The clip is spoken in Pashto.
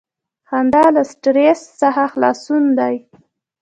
• خندا له سټریس څخه خلاصون دی.